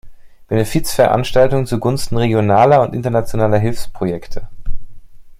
Benefizveranstaltungen zu Gunsten regionaler und internationaler Hilfsprojekte“.